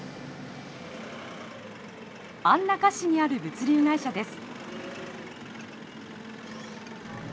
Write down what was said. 安中市にある物流会社です。